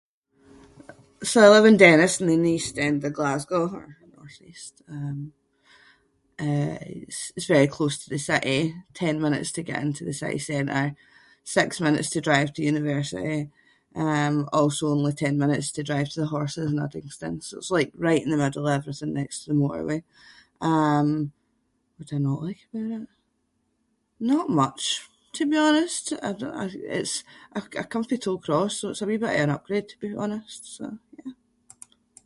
So I live in Dennistoun in the east end of Glasgow or northeast. Um uh it’s- it's very close to the city, ten minutes to get into the city centre, six minutes to drive to university. Um also only ten minutes to drive to the horses in Uddingston so it’s like right in the middle of everything next to the motorway. Um, what do I not like about it? Not much to be honest. I don’t- I- it’s- I c- I come fae Tollcross so it’s a wee bit of an upgrade to be honest, so yeah.